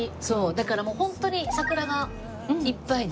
だからもうホントに桜がいっぱいで。